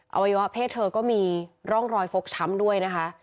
วัยวะเพศเธอก็มีร่องรอยฟกช้ำด้วยนะคะ